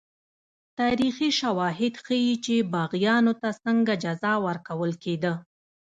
تاریخي شواهد ښيي چې باغیانو ته څنګه جزا ورکول کېده.